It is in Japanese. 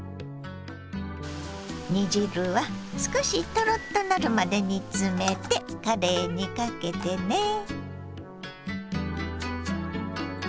煮汁は少しトロッとなるまで煮詰めてかれいにかけてね。